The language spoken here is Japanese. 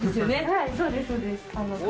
はいそうですそうです。